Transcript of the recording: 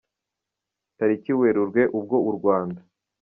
tariki Werurwe, ubwo u Rwanda.